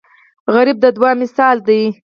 غریب د دعاو مثال دی